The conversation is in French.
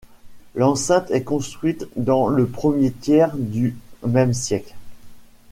L'enceinte est construite dans le premier tiers du même siècle.